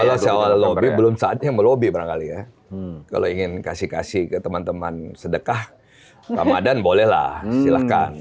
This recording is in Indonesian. kalau seawal lobby belum saatnya mau lobby barangkali ya kalau ingin kasih kasih ke teman teman sedekah pak madan boleh lah silahkan